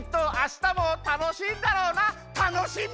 たのしみ！